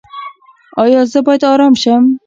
ایا زه باید ارام شم؟